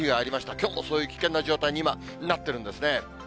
きょうもそういう危険な状態に今、なっているんですね。